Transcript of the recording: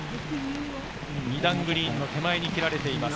２段グリーンの手前に切られています。